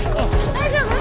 大丈夫？